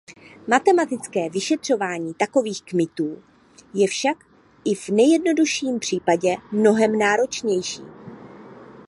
Matematické vyšetřování takových kmitů je však i v nejjednodušším případě mnohem náročnější.